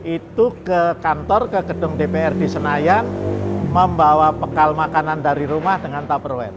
itu ke kantor ke gedung dpr di senayan membawa bekal makanan dari rumah dengan tupperware